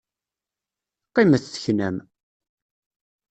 Qqimet teknam!